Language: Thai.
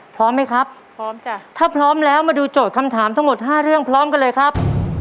พร้อมไหมครับพร้อมจ้ะถ้าพร้อมแล้วมาดูโจทย์คำถามทั้งหมดห้าเรื่องพร้อมกันเลยครับ